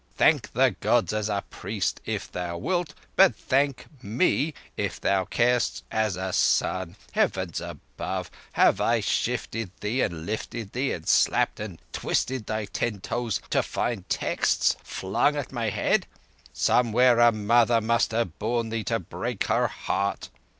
"Thank the Gods as a priest if thou wilt, but thank me, if thou carest, as a son. Heavens above! Have I shifted thee and lifted thee and slapped and twisted thy ten toes to find texts flung at my head? Somewhere a mother must have borne thee to break her heart.